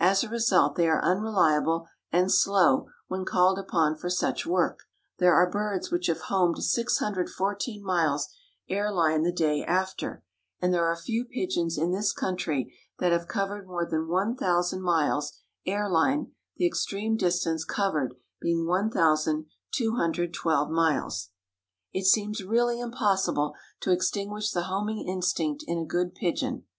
As a result they are unreliable and slow when called upon for such work. There are birds which have homed 614 miles air line the day after, and there are a few pigeons in this country that have covered more than 1,000 miles, air line, the extreme distance covered being 1,212 miles. It seems really impossible to extinguish the homing instinct in a good pigeon.